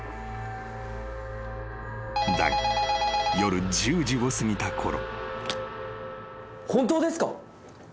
☎［だが夜１０時を過ぎたころ］